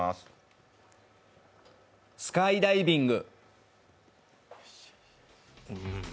スカイダイビング。